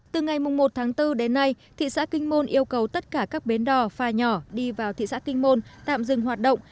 từ ngày một tháng bốn đến nay thị xã kinh môn yêu cầu tất cả các bến đò pha nhỏ đi vào thị xã kinh môn tạm dừng hoạt động